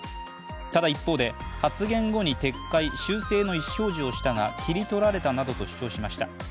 ただ、一方で、発言後に撤回修正の意思表示をしたが切り取られたなどと主張しました。